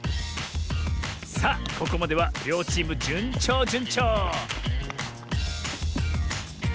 さあここまではりょうチームじゅんちょうじゅんちょう！